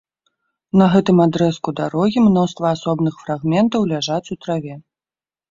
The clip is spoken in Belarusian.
На гэтым адрэзку дарогі мноства асобных фрагментаў ляжаць у траве.